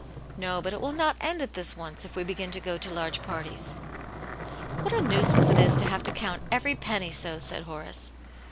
" No, but it v/ill not end at this once, if we begin to go to large parties." "What a nuisance it is to have to count every penny so !" said Horace.